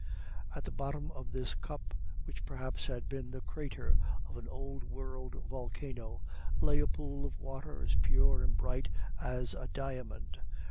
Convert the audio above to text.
At the bottom of this cup, which perhaps had been the crater of an old world volcano, lay a pool of water as pure and bright as a diamond.